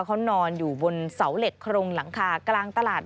เขานอนอยู่บนเสาเหล็กโครงหลังคากลางตลาด